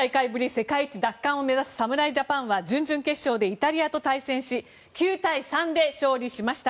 世界一奪還を目指す侍ジャパンは準々決勝でイタリアと対戦し９対３で勝利しました。